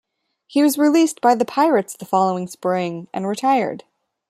He was released by the Pirates the following spring, and retired.